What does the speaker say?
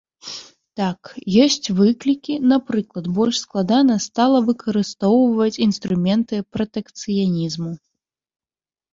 Так, ёсць выклікі, напрыклад, больш складана стала выкарыстоўваць інструменты пратэкцыянізму.